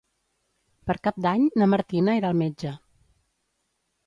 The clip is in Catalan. Per Cap d'Any na Martina irà al metge.